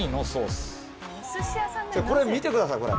これ見てくださいこれ。